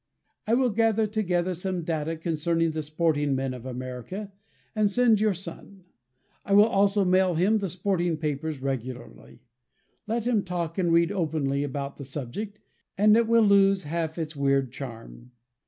I will gather together some data concerning the sporting men of America, and send your son. I will also mail him the sporting papers regularly. Let him talk and read openly about the subject, and it will lose half its weird charm.